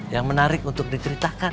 yang menarik untuk diceritakan